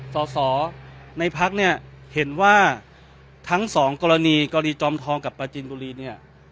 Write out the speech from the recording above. สอสอในพักเนี่ยเห็นว่าทั้งสองกรณีกรณีจอมทองกับประจินบุรีเนี่ย